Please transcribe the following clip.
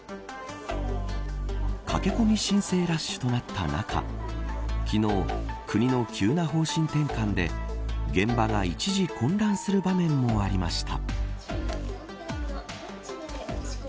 駆け込み申請ラッシュとなった中昨日、国の急な方針転換で現場が一時混乱する場面もありました。